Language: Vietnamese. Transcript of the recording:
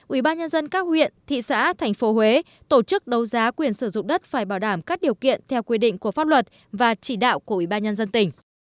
ủy ban nhân dân các huyện thị xã thành phố huế tổ chức đấu giá quyền sử dụng đất phải bảo đảm các điều kiện theo quy định của pháp luật và chỉ đạo của ủy ban nhân dân tỉnh